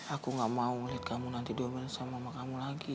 aku gak mau liat kamu nanti duduk sama mama kamu lagi